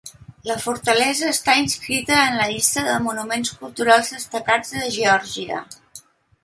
La fortalesa està inscrita en la llista dels Monuments culturals destacats de Geòrgia.